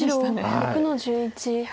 白６の十一ハネ。